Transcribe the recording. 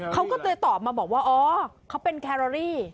เขาก็เลยตอบมาบอกว่าอ๋อเขาเป็นแครอรี่